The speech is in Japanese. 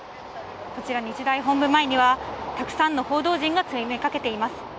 こちら日大本部前にはたくさんの報道陣が詰めかけています。